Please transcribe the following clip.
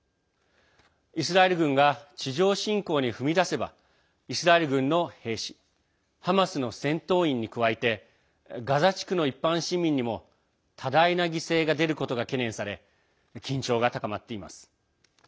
イスラエル軍が地上侵攻に踏み出せばイスラエル軍の兵士ハマスの戦闘員に加えてガザ地区の一般市民にも多大な犠牲が出ることが懸念され緊張が高まっています。